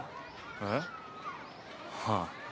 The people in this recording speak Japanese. えっ？ああ。